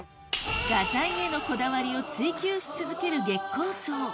画材へのこだわりを追求し続ける月光荘